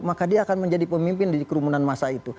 maka dia akan menjadi pemimpin di kerumunan masa itu